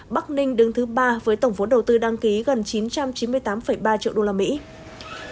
bắc ninh đứng thứ ba với tổng vốn đầu tư đăng ký gần chín trăm chín mươi tám ba triệu usd